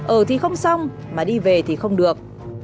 ở thì không xong mà đi về thì không được